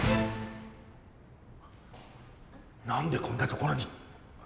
なんでこんなところに！